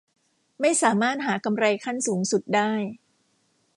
ไม่สามารถหากำไรขั้นสูงสุดได้